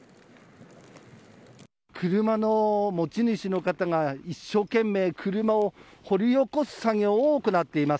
車の持ち主の方が一生懸命車を掘り起こす作業を行っています。